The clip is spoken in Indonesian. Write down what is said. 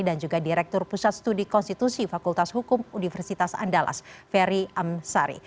dan juga direktur pusat studi konstitusi fakultas hukum universitas andalas ferry amsari